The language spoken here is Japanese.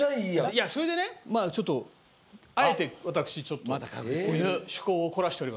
いやそれでねまあちょっとあえてわたくしちょっと趣向を凝らしております。